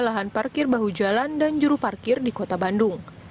lahan parkir bahu jalan dan juru parkir di kota bandung